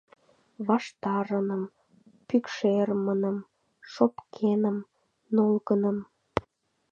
— Ваштарыным, пӱкшермыным, шопкеным, нолгыным...